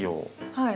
はい。